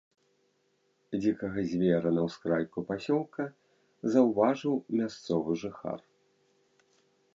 Дзікага звера на ўскрайку пасёлка заўважыў мясцовы жыхар.